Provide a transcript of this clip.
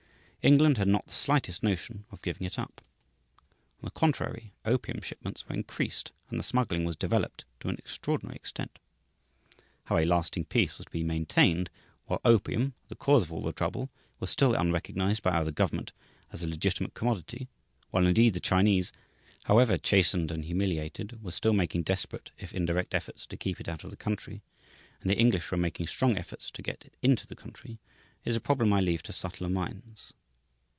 England had not the slightest notion of giving it up; on the contrary, opium shipments were increased and the smuggling was developed to an extraordinary extent. How a "lasting peace" was to be maintained while opium, the cause of all the trouble, was still unrecognized by either government as a legitimate commodity, while, indeed, the Chinese, however chastened and humiliated, were still making desperate if indirect efforts to keep it out of the country and the English were making strong efforts to get it into the country, is a problem I leave to subtler minds.